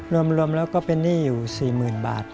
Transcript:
รวมแล้วก็เป็นหนี้อยู่๔๐๐๐บาท